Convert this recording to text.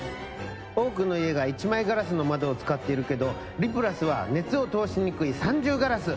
多くの家が一枚ガラスの窓を使っているけど「リプラス」は熱を通しにくい三重ガラス。